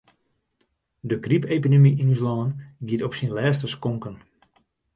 De grypepidemy yn ús lân giet op syn lêste skonken.